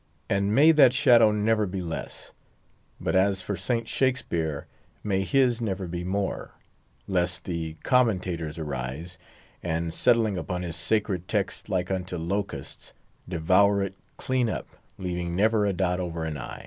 And may that shadow never be less! but as for St. Shakspeare may his never be more, lest the commentators arise, and settling upon his sacred text like unto locusts, devour it clean up, leaving never a dot over an I.